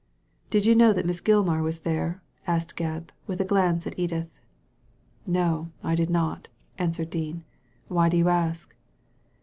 "Did you know that Miss Gilmar was there?" asked Gebb, with a glance at Edith. " No, I did not," answered Dean. " Why do you ask?"